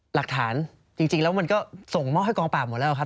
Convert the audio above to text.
หลักฐานจริงแล้วมันก็ส่งมอบให้กองปราบหมดแล้วครับ